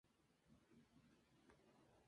Tolera muy bien sequía.